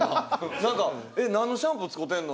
何か「何のシャンプー使てんの？」